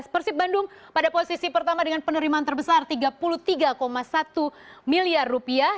persib bandung pada posisi pertama dengan penerimaan terbesar tiga puluh tiga satu miliar rupiah